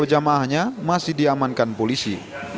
kaujamaahnya masih diamankan polisi